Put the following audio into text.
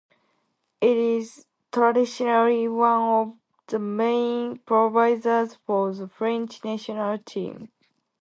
It is traditionally one of the main providers for the French national team.